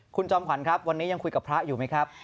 คุณจอมขวัญครับวันนี้ยังคุยกับพระอยู่ไหมครับ